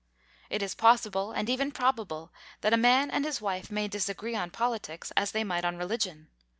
It is possible, and even probable, that a man and his wife may disagree on politics as they might on religion.